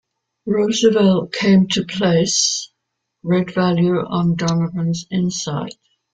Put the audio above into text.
Roosevelt came to place great value on Donovan's insight.